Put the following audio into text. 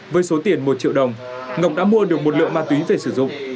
với số tiền một triệu đồng ngọc đã mua được một lượng ma túy về sử dụng